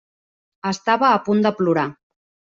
Estava a punt de plorar.